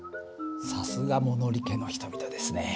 さすが物理家の人々ですね。